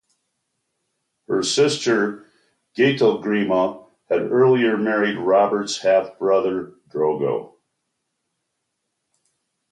Her sister Gaitelgrima had earlier married Robert's half-brother Drogo.